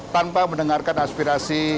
tanpa mendengarkan aspirasi